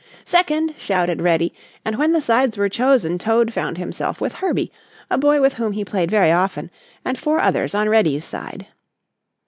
"Second," shouted Reddy, and when the sides were chosen Toad found himself with Herbie, a boy with whom he played very often, and four others on Reddy's side.